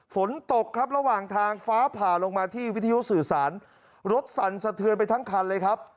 ฝนตกครับระหว่างทางฟ้าผ่าลงมาที่วิทยุสื่อสารรถสั่นสะเทือนไปทั้งคันเลยครับ